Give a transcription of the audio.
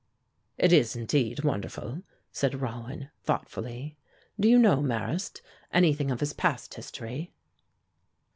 "It is, indeed, wonderful," said Rollin, thoughtfully. "Do you know, Marrast, anything of his past history?"